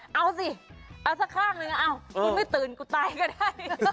เอาสิเอาสักข้างนึงเอากูไม่ตื่นกูตายก็ได้